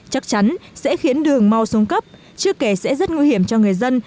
chắc chắn sẽ khiến đường mau sống cấp chứ kể sẽ rất nguy hiểm cho người dân